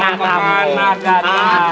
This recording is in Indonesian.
mau kemana gagak